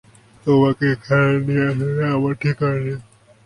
তোমাকে এখানে নিয়ে আসাটাই আমার ঠিক হয়নি!